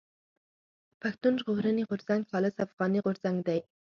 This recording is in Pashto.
پښتون ژغورني غورځنګ خالص افغاني غورځنګ دی.